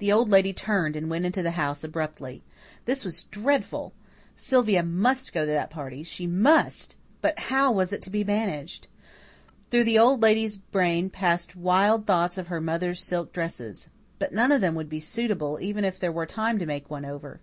The Old Lady turned and went into the house abruptly. This was dreadful. Sylvia must go to that party she MUST. But how was it to be managed? Through the Old Lady's brain passed wild thoughts of her mother's silk dresses. But none of them would be suitable, even if there were time to make one over.